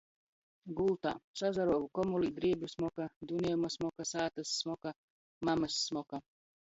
Gultā. Sasaruovu komulī, driebu smoka, duniejuma smoka, sātys smoka, mamys smoka.